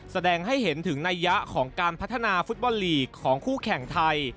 แสดงให้เห็นถึงนัยยะของการพัฒนาฟุตบอลลีกของคู่แข่งไทย